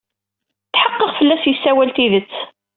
Tḥeqqeɣ fell-as yessawal tidet.